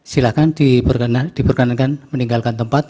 silahkan diperkenankan meninggalkan tempat